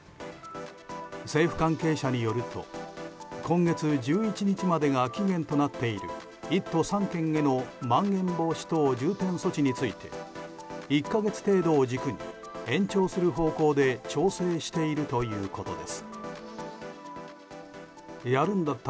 政府関係者によると今月１１日までが期限となっている１都３県へのまん延防止等重点措置について１か月程度を軸に延長する方向で調整しているということです。